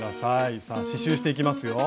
さあ刺しゅうしていきますよ。